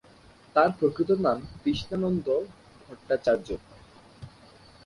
তাঁর প্রকৃত নাম কৃষ্ণানন্দ ভট্টাচার্য।